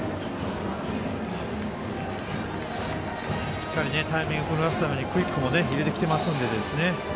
しっかりタイミングを狂わせるためにクイックも入れてきてますので。